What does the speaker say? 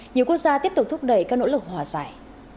nhiều quốc gia tiếp tục thúc đẩy các nỗ lực hòa giải